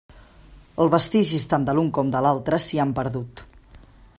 Els vestigis tant de l'un com de l'altre s'hi han perdut.